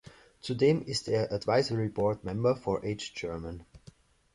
Zudem ist er "Advisory Board Member for H-German".